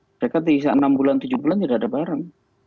mereka di enam bulan tujuh bulan tidak ada barang